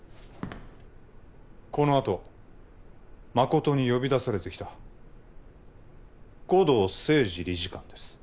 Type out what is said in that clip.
このあと誠に呼び出されてきた護道清二理事官です